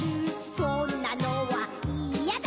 そんなのはいやだ！